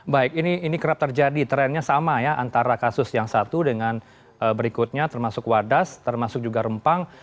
baik ini kerap terjadi trennya sama ya antara kasus yang satu dengan berikutnya termasuk wadas termasuk juga rempang